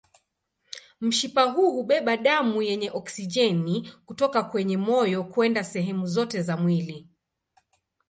Mshipa huu hubeba damu yenye oksijeni kutoka kwenye moyo kwenda sehemu zote za mwili.